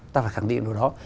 ta phải khẳng định điều đó